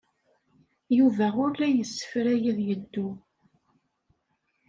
Yuba ur la yessefray ad yeddu.